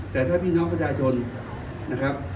แต่ถ้าพี่น้องประชาชนนะครับ